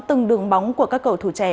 từng đường bóng của các cầu thủ trẻ